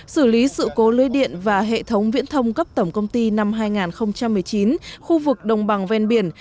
xử lý sự cố lưới điện và hệ thống viễn thông cấp tổng công ty năm hai nghìn một mươi chín khu vực đồng bằng ven biển